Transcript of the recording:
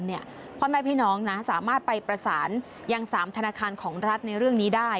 พ่อแม่พี่น้องสามารถไปประสานยัง๓ธนาคารของรัฐในเรื่องนี้ได้